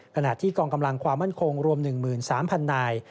ขณะที่กองกำลังความมั่นคงรวม๑๓๐๐นาย